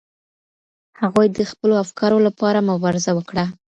هغوی د خپلو افکارو لپاره مبارزه وکړه.